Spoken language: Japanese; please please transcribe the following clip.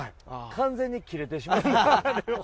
完全に切れてしまいましたね。